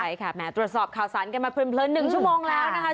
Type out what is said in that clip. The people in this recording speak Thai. ใช่ค่ะแหมตรวจสอบข่าวสรรค์กันมาเพลินเพลินหนึ่งชั่วโมงแล้วนะคะ